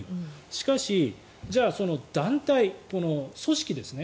しかし、じゃあ団体組織ですね。